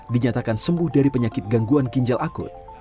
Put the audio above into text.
dinyatakan sembuh dari penyakit gangguan ginjal akut